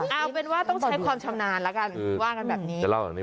เอาเป็นว่าต้องใช้ความชำนาญแล้วกันว่ากันแบบนี้